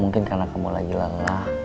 mungkin karena kamu lagi lelah